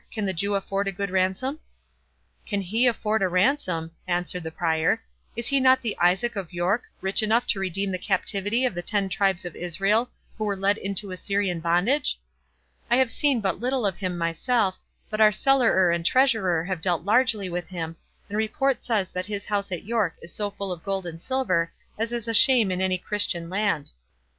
Can the Jew afford a good ransom?" "Can he afford a ransom?" answered the Prior "Is he not Isaac of York, rich enough to redeem the captivity of the ten tribes of Israel, who were led into Assyrian bondage?—I have seen but little of him myself, but our cellarer and treasurer have dealt largely with him, and report says that his house at York is so full of gold and silver as is a shame in any Christian land.